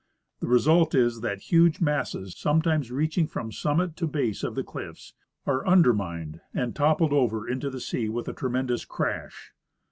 The result is that huge masses, sometimes reaching from summit to base of the cliffs, are under mined, and topple over into the sea Avith a tremendous crash.